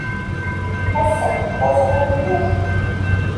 Ass-a, d aẓɣal mliḥ.